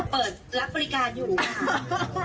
เปิดรับบริการอยู่นะคะ